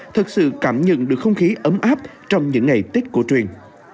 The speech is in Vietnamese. thực sự cảm nhận được không khí ấm áp trong những ngày tết của truyền